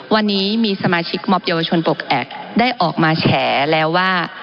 วันนี้มีสมาชิกมอบเยาวชนปกแอกได้ออกมาแฉแล้วว่า